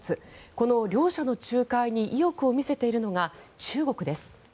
この両者の仲介に意欲を見せているのが中国です。